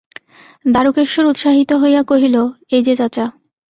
দারুকেশ্বর উৎসাহিত হইয়া কহিল, এই-যে চাচা!